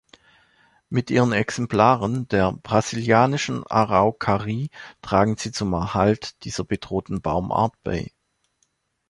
Mit ihren Exemplaren der Brasilianischen Araukarie tragen sie zum Erhalt dieser bedrohten Baumart bei.